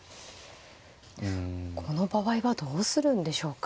この場合はどうするんでしょうか。